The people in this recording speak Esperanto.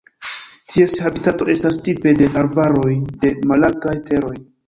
Ties habitato estas tipe de arbaroj de malaltaj teroj.